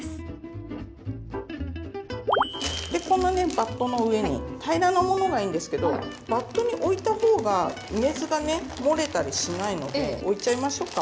バットの上に平らなものがいいんですけどバットにおいたほうが梅酢がね漏れたりしないのでおいちゃいましょうか。